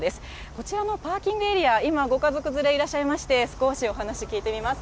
こちらのパーキングエリア、今、ご家族連れいらっしゃいまして、少しお話聞いてみます。